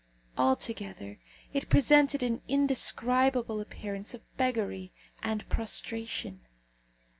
Altogether, it presented an indescribable appearance of beggary and prostration.